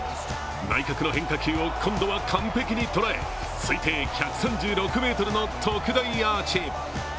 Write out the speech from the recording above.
内角の変化球を今度は完璧に捉え推定１３６ｍの特大アーチ。